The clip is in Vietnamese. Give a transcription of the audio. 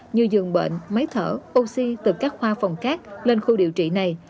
như giường bệnh máy thở oxy từ các khoa phòng cát lên khu điều trị này